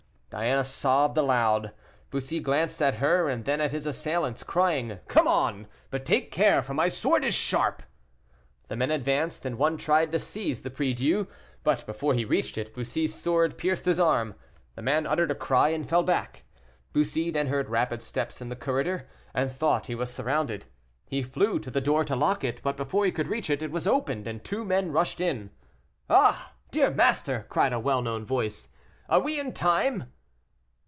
Diana sobbed aloud. Bussy glanced at her, and then at his assailants, crying, "Come on, but take care, for my sword is sharp." The men advanced, and one tried to seize the prie Dieu, but before he reached it, Bussy's sword pierced his arm. The man uttered a cry, and fell back. Bussy then heard rapid steps in the corridor, and thought he was surrounded. He flew to the door to lock it, but before he could reach it, it was opened, and two men rushed in. "Ah! dear master!" cried a well known voice, "are we in time?"